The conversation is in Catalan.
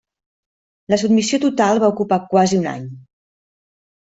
La submissió total va ocupar quasi un any.